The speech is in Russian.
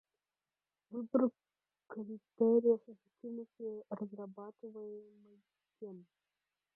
Выбор критериев эффективности разрабатываемой системы